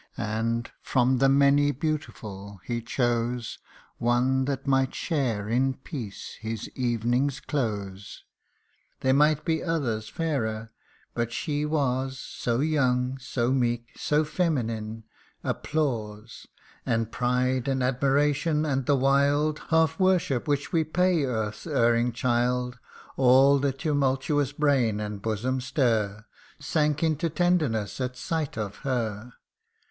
And, from the many beautiful, he chose One that might share in peace his evening's close ; There might be others fairer but she was So young so meek so feminine applause, CANTO II. 57 And pride, and admiration, and the wild Half worship which we pay earth's erring child All the tumultuous brain and bosom's stir Sank into tenderness at sight of her.